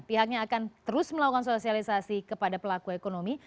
pihaknya akan terus melakukan sosialisasi kepada pelaku ekonomi